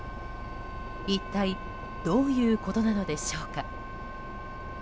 一体どういうことなのでしょうか。